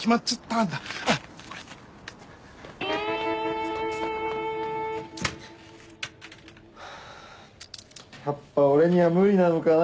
これはぁやっぱ俺には無理なのかな。